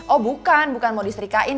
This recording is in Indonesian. oh bukan bukan mau disetrikain